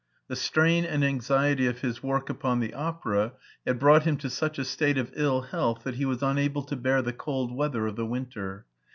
The strain and anxiety of his work upon the opera had brought him to such a state of ill health that he was unable to bear the cold weather of the winter.